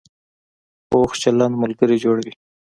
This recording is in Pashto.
پوخ چلند ملګري جوړوي